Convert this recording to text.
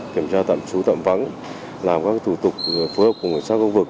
tạm trú tạm vắng làm các thủ tục phối hợp của ngành sát khu vực